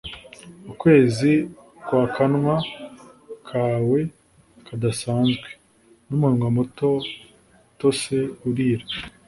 ukwezi kwakanwa kawe kadasanzwe, numunwa muto utose urira.